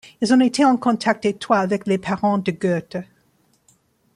Ils ont été en contact étroit avec les parents de Goethe.